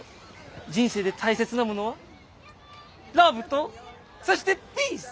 人生で大切なものはラブとそしてピース！